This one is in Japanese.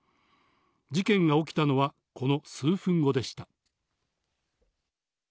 事件が起きたのはこの数分後でした。